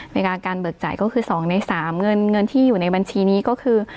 เวลาการเบิกจ่ายก็คือ๒ใน๓เงินที่อยู่ในบัญชีนี้ก็คือ